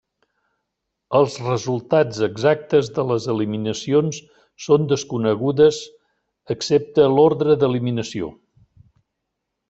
Els resultats exactes de les eliminacions són desconegudes excepte l'ordre d'eliminació.